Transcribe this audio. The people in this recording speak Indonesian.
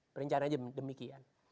perencanaan aja demikian